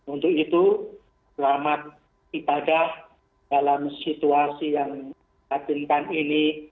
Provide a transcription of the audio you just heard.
untuk itu selamat ibadah dalam situasi yang meyakinkan ini